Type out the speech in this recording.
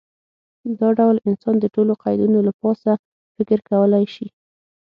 دا ډول انسان د ټولو قیدونو له پاسه فکر کولی شي.